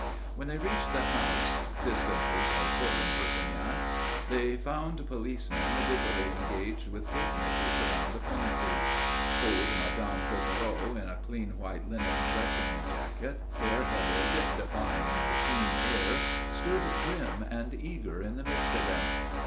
When they reached the house distances are short in Perpignan they found policemen busily engaged with tape measures around the premises. Old Madame Coquereau in a clean white linen dressing jacket, bare headed, defying the keen air, stood grim and eager in the midst of them.